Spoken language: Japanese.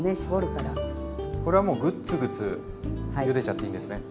これはもうグッツグツゆでちゃっていいんですね？